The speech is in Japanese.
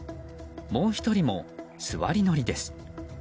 もう１人も座り乗りです。